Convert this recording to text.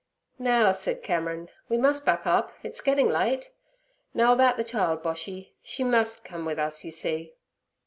' 'Now' said Cameron, 'we must buck up; it's getting late. Now about the child, Boshy: she must come with us, you see.'